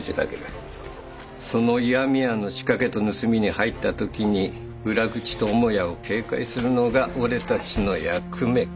その石見屋の仕掛けと盗みに入った時に裏口と母屋を警戒するのが俺たちの役目か。